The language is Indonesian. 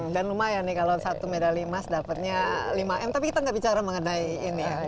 dan lumayan nih kalau satu medali emas dapetnya lima m tapi kita gak bicara mengenai ini ya